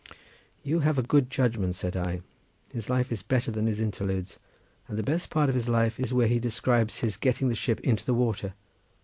"You have a good judgment," said I; "his life is better than his interludes, and the best part of his life is where he describes his getting the ship into the water.